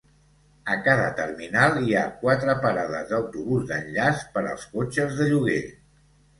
A cada terminal hi ha quatre parades d'autobús d'enllaç per als cotxes de lloguer.